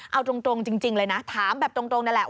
เอาตรงจริงเลยนะถามแบบตรงนั่นแหละ